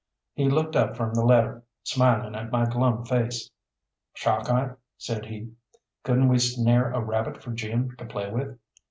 He looked up from the letter, smiling at my glum face. "Chalkeye," said he, "couldn't we snare a rabbit for Jim to play with?"